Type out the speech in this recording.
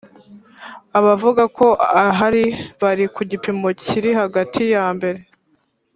Abavuga ko ahari bari ku gipimo kiri hagati ya mbere